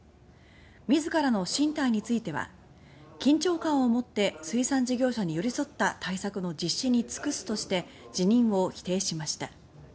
自らの進退については「緊張感をもって水産事業者に寄り添った対策の実施に尽くす」として辞任を否定しました。